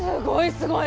すごい！